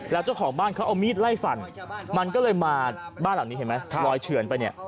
แล้วเจ้าของบ้านเขาเอามีดไล่ฟันมันก็เลยมาบ้านหลังนี้เห็นไหมลอยเฉือนไปเนี่ย